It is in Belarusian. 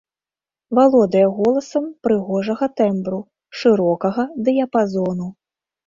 Валодае голасам прыгожага тэмбру, шырокага дыяпазону.